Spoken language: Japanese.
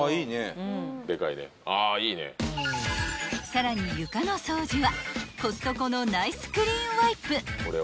［さらに床の掃除はコストコのナイスクリーンワイプ］